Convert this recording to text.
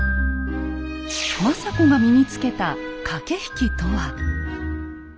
政子が身につけた駆け引きとは？